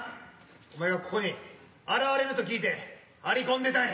お前がここに現れると聞いて張り込んでたんや。